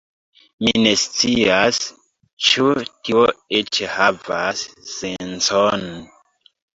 Mi ne scias, ĉu tio eĉ havas sencon